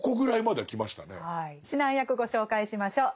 指南役ご紹介しましょう。